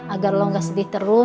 agar lo gak sedih terus